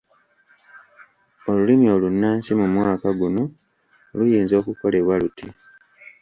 Olulimi olunnansi mu mwaka guno luyinza okukolebwa luti